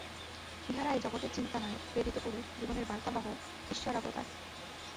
ইঁহারাই জগতের চিন্তানায়ক, প্রেরিতপুরুষ, জীবনের বার্তাবহ, ঈশ্বরাবতার।